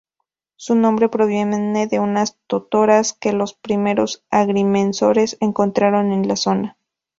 Su nombre proviene de unas totoras que los primeros agrimensores encontraron en la zona.